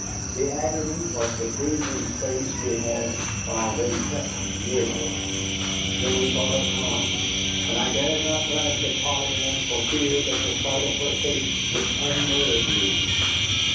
The agony was the breathing space we had while they crept nearer. Then we thought of Tom, and I dared not glance at Polly Ann for fear that the sight of her face would unnerve me.